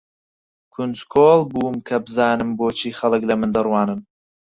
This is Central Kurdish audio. کونجکۆڵ بووم کە بزانم بۆچی خەڵک لە من دەڕوانن.